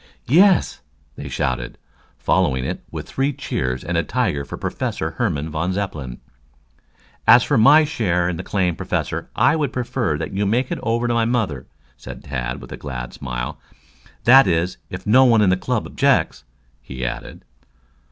"Yes!" they shouted, following it with three cheers and a tiger for Professor Herman von Zepplin. "As for my share in the claim, Professor, I would prefer that you made it over to my mother," said Tad, with a glad smile. "That is, if no one in the club objects," he added.